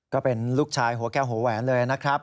ก็เป็นลูกชายหัวแก้วหัวแหวนเลยนะครับ